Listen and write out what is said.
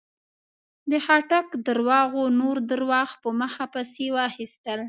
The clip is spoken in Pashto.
د خاټک درواغو نور درواغ په مخه پسې واخيستل.